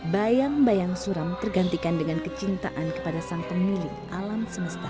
bayang bayang suram tergantikan dengan kecintaan kepada sang pemilik alam semesta